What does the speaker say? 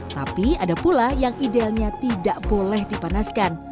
tapi ada pula yang idealnya tidak boleh dipanaskan